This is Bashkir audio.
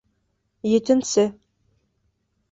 Етенсе